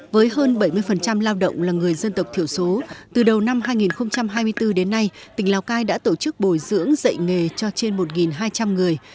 với hơn bảy mươi lao động là người dân tộc thiểu số từ đầu năm hai nghìn hai mươi bốn đến nay tỉnh lào cai đã tổ chức bồi dưỡng dạy nghề cho trên một hai trăm linh người